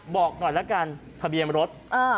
บอกหน่อยละกันทะเบียนรถ